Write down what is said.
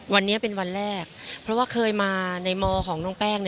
วันนี้เป็นวันแรกเพราะว่าเคยมาในมของน้องแป้ง